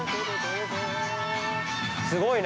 ◆すごいね。